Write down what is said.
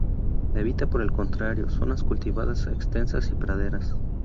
Evita, por el contrario, zonas cultivadas extensas y praderas.